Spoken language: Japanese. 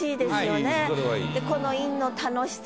この韻の楽しさ